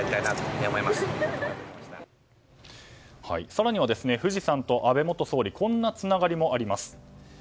更には、富士山と安倍元総理はこんなつながりもあります。